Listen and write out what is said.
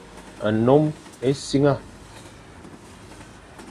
Nnom essiang.